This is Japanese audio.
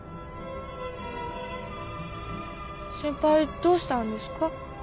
先輩どうしたんですか？